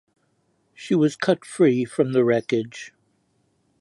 She was cut free from the wreckage.